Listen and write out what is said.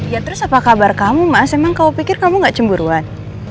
ya terus apa kabar kamu mas emang kamu pikir kamu gak cemburuan